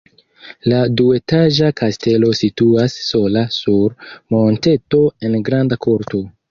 La duetaĝa kastelo situas sola sur monteto en granda korto.